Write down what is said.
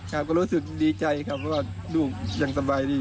ครับก็รู้สึกดีใจครับเพราะว่าลูกยังสบายดี